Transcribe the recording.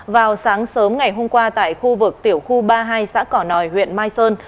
vào sáng sớm ngày hôm qua tại khu vực tiểu khu ba mươi hai xã cỏ nòi huyện mai sơn